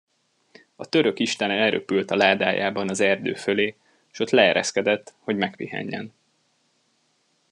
A török isten elröpült a ládájában az erdő fölé, s ott leereszkedett, hogy megpihenjen.